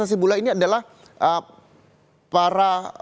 yang juga menjadi perhatiannya ya yang juga menjadi perhatiannya ya